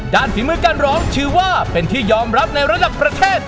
ฝีมือการร้องถือว่าเป็นที่ยอมรับในระดับประเทศ